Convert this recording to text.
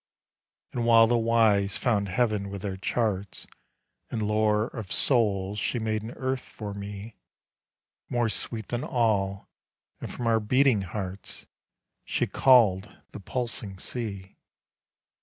And while the wise found heaven with their charts And lore of souls, she made an earth for me More sweet than all, and from our beating hearts She called the pulsing sea.